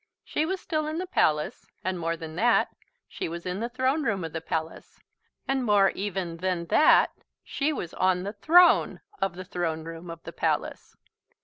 She was still in the Palace, and, more than that, she was in the Throne Room of the Palace, and, more even than that, she was on the Throne, of the Throne Room of the Palace.